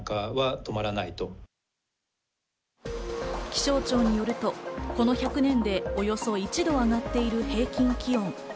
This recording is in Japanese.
気象庁によると、この１００年でおよそ１度上がっている平均気温。